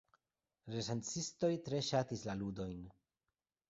Recenzistoj tre ŝatis la ludojn.